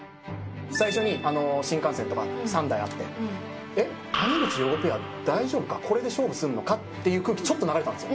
最初に新幹線とか３台あって「これで勝負すんのか？」っていう空気ちょっと流れたんですよ